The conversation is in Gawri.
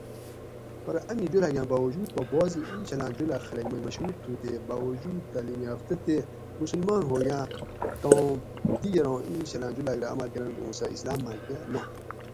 پرہ امی جولاگاۤں باوجود پا بعض اینچھلاۤں جولاۤگ خلق مئی مشہور تھو تے باوجود تعلیم یافتہ تے مسلمان ہوگاۤں تام دِگیراں اینچھلاں جولاگ رہ عماۤل کۤرنت اوں سہ اسلام ماکہ نات